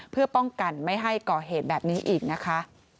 เพื่อป้องกันไม่ให้ก่อเหตุแบบนี้อีกนะคะ